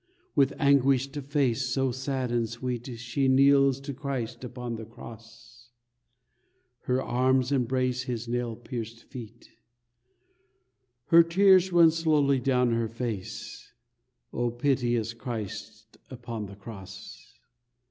With anguished face, so sad and sweet, She kneels to Christ upon the Cross: Her arms embrace his nail pierced feet. Her tears run slowly down her face, O piteous Christ upon the Cross!